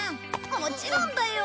もちろんだよ！